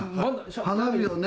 花火をね